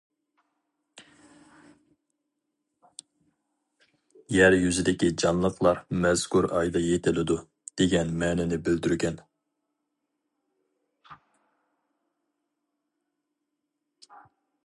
يەر يۈزىدىكى جانلىقلار مەزكۇر ئايدا يېتىلىدۇ، دېگەن مەنىنى بىلدۈرگەن.